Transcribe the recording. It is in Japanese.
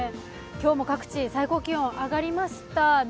今日も各地、最高気温、上がりました。